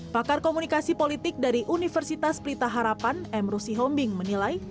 pakar komunikasi politik dari universitas pelita harapan emru sihombing menilai